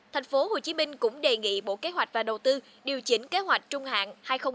tp hcm cũng đề nghị bộ kế hoạch và đầu tư điều chỉnh kế hoạch trung hạn hai nghìn một mươi một hai nghìn hai mươi